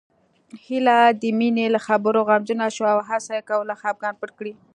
هيله د مينې له خبرو غمجنه شوه او هڅه يې کوله خپګان پټ کړي